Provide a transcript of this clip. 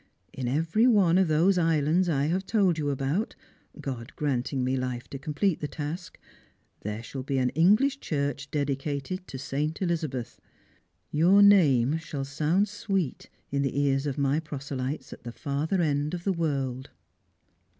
In every one of those islands I have told you about — God granting nie life to complete the task — there shall be an English church dedi cated to St Elizabeth. Your name shall sound sweet in the eara of my proselytes at the farther end of the world."